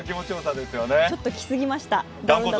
ちょっと着すぎました。